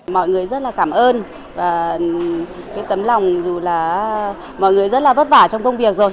mọi người rất là cảm ơn và cái tấm lòng dù là mọi người rất là vất vả trong công việc rồi